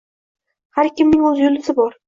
— Наг kimning o‘z yulduzi bor.